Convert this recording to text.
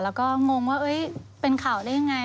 แล้วก็งงว่าเป็นข่าวได้ยังไง